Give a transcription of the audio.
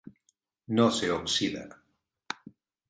No se oxida.